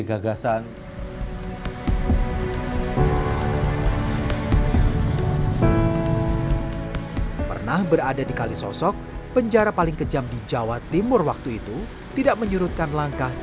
gagasan pernah berada di kalisosok penjara paling kejam di jawa timur waktu itu tidak menyurutkan langkah